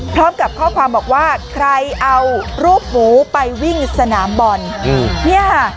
พร้อมกับข้อความบอกว่าใครเอารูปหมูไปวิ่งสนามบอลเนี่ยค่ะ